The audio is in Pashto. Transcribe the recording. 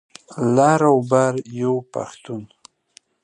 لر او بر یو پښتون.